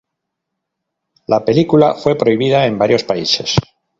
La película fue prohibida en varios países.